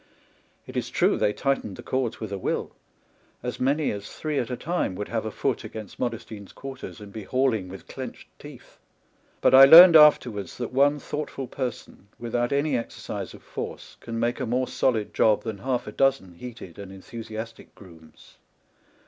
It is true they tightened the cords with a will ; as many as three at a 12 DONKEY, PACK, AND SADDLE time would have a foot against Modestine's quarters, and be hauling with clenched teeth ; but I learned afterwards that one thoughtful person, without any exercise of force, can make a more solid job than half a dozen heated and enthusiastic grooms.